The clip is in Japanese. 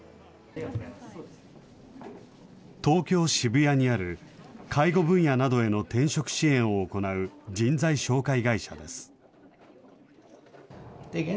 東京・渋谷にある介護分野などへの転職支援を行う人材紹介会社です。